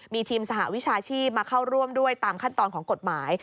มีทีมสหวิชาชีพมาเข้าร่วมด้วยตามขั้นตอนของกฎหมาย